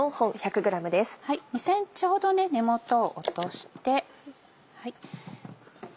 ２ｃｍほど根元を落として。